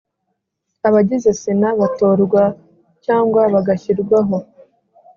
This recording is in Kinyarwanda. Abagize Sena batorwa cyangwa bagashyirwaho